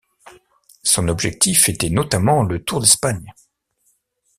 Son objectif était notamment le Tour d'Espagne.